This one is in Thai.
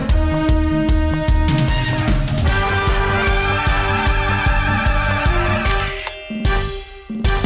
สวัสดีครับสวัสดีครับเอาอีกแรงกันอีกครั้งครับ